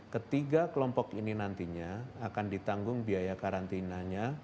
ketiga kelompok ini nantinya akan ditanggung biaya karantinanya